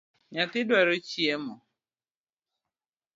Nyathi dwaro chiemo